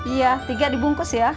iya tiga dibungkus ya